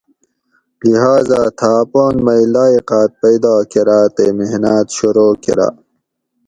لِھٰذا تھہ اپان مئ لایٔقات پیدا کراۤ تے محناۤت شروع کۤرا